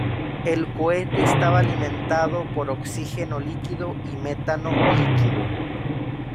El cohete estaba alimentado por oxígeno líquido y metano líquido.